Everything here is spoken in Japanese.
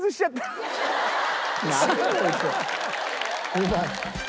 うまい。